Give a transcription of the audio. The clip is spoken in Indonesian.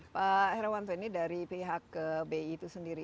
pak herawan tuhin ini dari phk bi itu sendiri